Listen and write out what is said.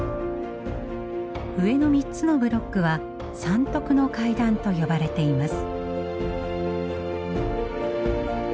上の３つのブロックは三徳の階段と呼ばれています。